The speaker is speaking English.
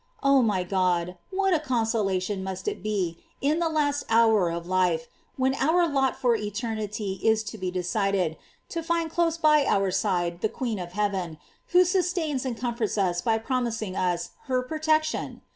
* Oh my God, what a consolation must it be in that last hour of life, when our lot for eternity is to be decided, to find close by our side the queen of heaven, who sustains and com forts us by promising us her protection!